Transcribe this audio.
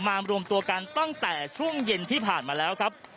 มารวมตัวกันตั้งแต่ช่วงเย็นที่ผ่านมาแล้วครับ